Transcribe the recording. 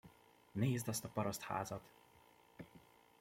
Nézd azt a parasztházat!